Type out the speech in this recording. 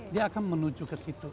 dia akan menuju ke situ